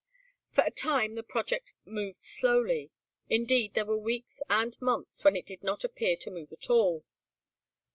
For a time the project moved slowly; indeed there were weeks and months when it did not appear to move at all.